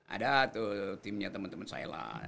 ada tuh timnya temen temen saya lah